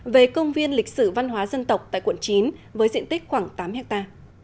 về công viên lịch sử văn hóa dân tộc tại quận chín với diện tích khoảng tám ha